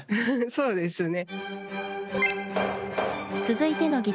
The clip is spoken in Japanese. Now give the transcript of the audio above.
そうですね。